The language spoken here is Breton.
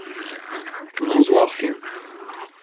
Penaos e oa ar film ?